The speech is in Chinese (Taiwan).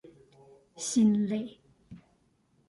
心累